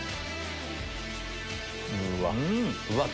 うわっ！